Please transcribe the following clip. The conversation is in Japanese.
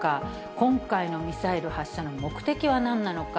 今回のミサイル発射の目的は何なのか。